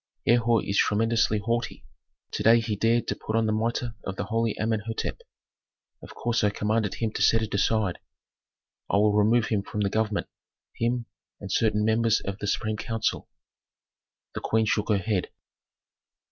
"Herhor is tremendously haughty. To day he dared to put on the mitre of the holy Amenhôtep. Of course I commanded him to set it aside. I will remove him from the government, him and certain members of the supreme council." The queen shook her head.